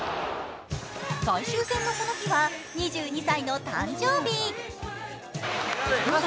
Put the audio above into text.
最終戦のこの日は２２歳の誕生日。